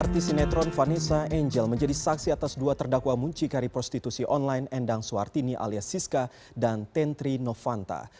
artis sinetron vanessa angel menjadi saksi atas dua terdakwa muncikari prostitusi online endang suwartini alias siska dan tentri novanta